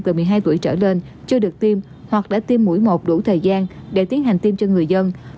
từ một mươi hai tuổi trở lên chưa được tiêm hoặc đã tiêm mũi một đủ thời gian để tiến hành tiêm cho người dân